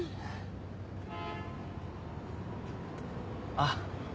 ・あっ。